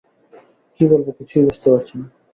কী বলব কিছুই বুজতে পারছি না।